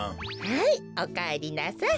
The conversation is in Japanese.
はいおかえりなさい。